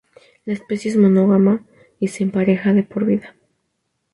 La especie es monógama y se empareja de por vida.